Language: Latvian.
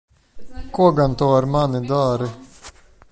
Ko gan tu ar mani dari?